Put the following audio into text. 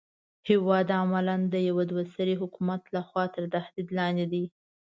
هېواد عملاً د يوه دوه سري حکومت لخوا تر تهدید لاندې دی.